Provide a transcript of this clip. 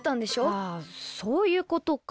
あそういうことか。